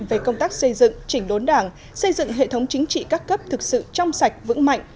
về công tác xây dựng chỉnh đốn đảng xây dựng hệ thống chính trị các cấp thực sự trong sạch vững mạnh